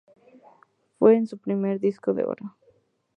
Fue su primer Disco de oro.